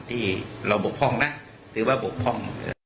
ที่เราปกพรรณะถือว่าปกพรรณ